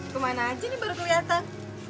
kemana aja ini baru kelihatan